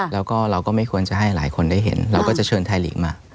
แล้วก็เราก็ไม่ควรจะให้หลายคนได้เห็นเราก็จะเชิญไทยลีกมา